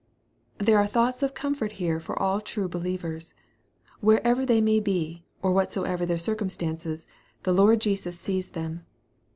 There are thoughts of comfort here for all true believ ers. Wherever they may be, or whatsoever their circum stances, the Lord Jesus sees them.